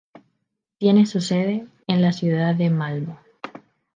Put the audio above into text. Tiene su sede en la ciudad de Malmö.